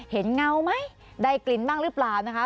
เงาไหมได้กลิ่นบ้างหรือเปล่านะคะ